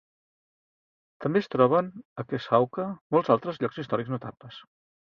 També es troben a Keosauqua molts altres llocs històrics notables.